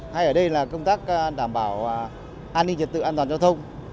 hay ở đây là công tác đảm bảo an ninh trật tự an toàn giao thông